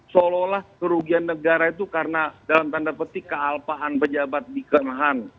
seolah olah kerugian negara itu karena dalam tanda petik kealpaan pejabat di kemhan